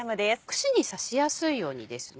串に刺しやすいようにですね